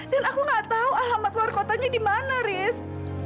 dan aku tidak tahu alamat luar kotanya di mana riz